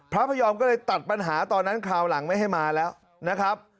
พระพยอมก็เลยตัดปัญหาตอนนั้นคราวหลังไม่ให้มาแล้วนะครับ